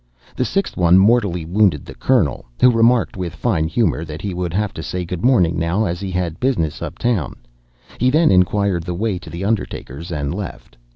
The sixth one mortally wounded the Colonel, who remarked, with fine humor, that he would have to say good morning now, as he had business uptown. He then inquired the way to the undertaker's and left.